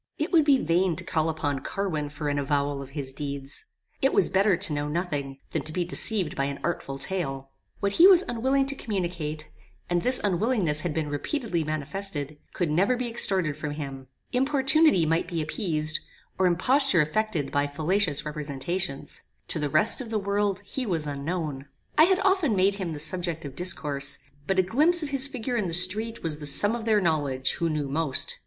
"It would be vain to call upon Carwin for an avowal of his deeds. It was better to know nothing, than to be deceived by an artful tale. What he was unwilling to communicate, and this unwillingness had been repeatedly manifested, could never be extorted from him. Importunity might be appeased, or imposture effected by fallacious representations. To the rest of the world he was unknown. I had often made him the subject of discourse; but a glimpse of his figure in the street was the sum of their knowledge who knew most.